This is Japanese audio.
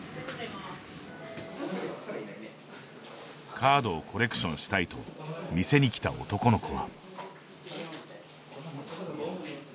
カードをコレクションしたいと店に来た男の子は。